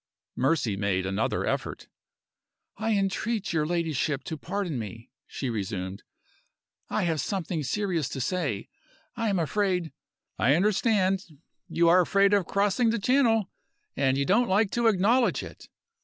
Mercy made another effort. "I entreat your ladyship to pardon me," she resumed. "I have something serious to say. I am afraid " "I understand. You are afraid of crossing the Channel, and you don't like to acknowledge it.